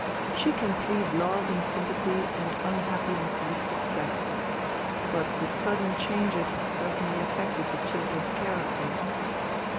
She can plead love and sympathy and unhappiness with success. But the sudden changes certainly affected the children's characters.